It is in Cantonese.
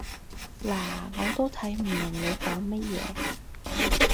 嗱，我都睇唔明你講乜嘢